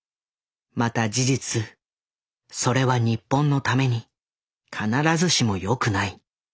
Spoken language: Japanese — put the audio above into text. また事実それは日本のために必ずしもよくない。